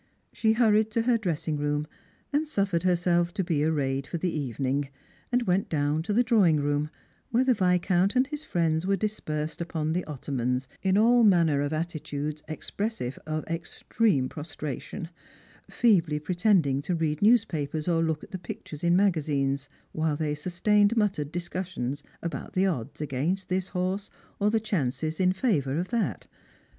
She hurried to her dressing room, and suf fered herself to be arrayed for the evening, and went down to the drawing room, where the Viscount and his friends were dis persed upon the ottomans in all manner of attitudes exjDressive of extreme prostration, feebly pretending to read newspapers, or look at the pictures in magazines, while they sustained muttered discussions about the odds against this horse, or the chances in favour of that.